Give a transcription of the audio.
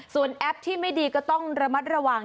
ส่วนแอปที่ไม่ดีก็ต้องระมัดระวัง